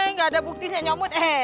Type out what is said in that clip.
nggak ada buktinya nyomut